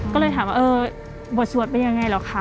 ก็เลยถามว่าเออบทสวดเป็นยังไงเหรอคะ